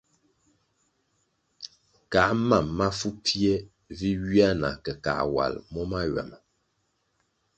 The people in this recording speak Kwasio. Kā mam mafu pfie vi ywia na ke kā wal mo mahywama.